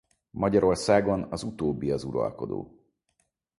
Magyarországon az utóbbi az uralkodó.